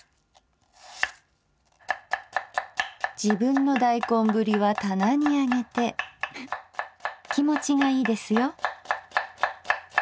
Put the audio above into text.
「自分の大根ぶりはたなにあげて気持ちがいいですよ」。